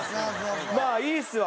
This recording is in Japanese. まあいいですわ。